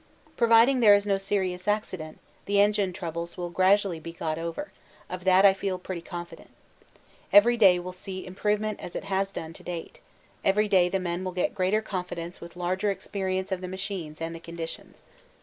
Providing there is no serious accident, the engine troubles will gradually be got over; of that I feel pretty confident. Every day will see improvement as it has done to date, every day the men will get greater confidence with larger experience of the machines and the conditions.